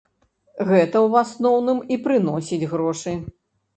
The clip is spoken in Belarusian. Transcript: Гэта ў асноўным і прыносіць грошы.